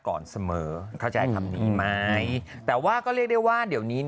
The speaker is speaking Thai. ก่อนเสมอเข้าใจคำนี้ไหมแต่ว่าก็เรียกได้ว่าเดี๋ยวนี้